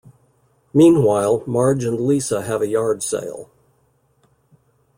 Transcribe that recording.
Meanwhile, Marge and Lisa have a yard sale.